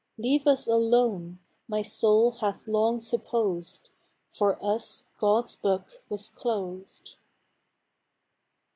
Leave us alone. My soul hath long supposed For us God's book was closed.